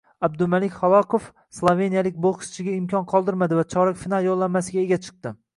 Abdumalik Halokov sloveniyalik bokschiga imkon qoldirmadi va chorak final yo‘llanmasiga ega chiqdi